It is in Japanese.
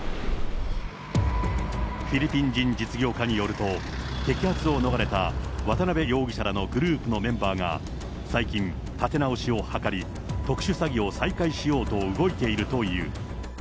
フィリピン人実業家によると、摘発を逃れた渡辺容疑者らのグループのメンバーが、最近、立て直しを図り、特殊詐欺を再開しようと動いているという。